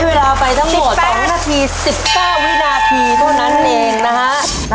เวลาไปทั้งหมด๒นาที๑๙วินาทีเท่านั้นเองนะฮะ